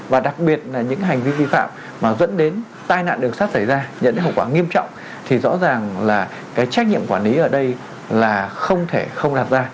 và đặc biệt là những hành vi vi phạm mà dẫn đến tai nạn đường sắt xảy ra dẫn đến hậu quả nghiêm trọng thì rõ ràng là cái trách nhiệm quản lý ở đây là không thể không đạt ra